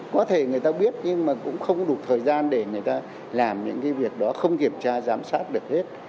có thể người ta biết nhưng mà cũng không có đủ thời gian để người ta làm những cái việc đó không kiểm tra giám sát được hết